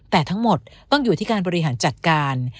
แต่ทั้งหมดต้องอยู่ที่การบริหารจัดการ